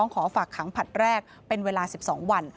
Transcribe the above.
ขอฝากขังผลัดแรกเป็นเวลา๑๒วัน